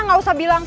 gak usah bilang